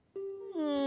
うん。